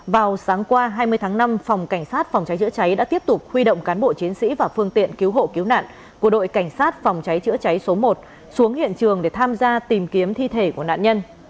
vào sáng qua hai mươi tháng năm phòng cảnh sát phòng cháy chữa cháy đã tiếp tục huy động cán bộ chiến sĩ và phương tiện cứu hộ cứu nạn của đội cảnh sát phòng cháy chữa cháy số một xuống hiện trường để tham gia tìm kiếm thi thể của nạn nhân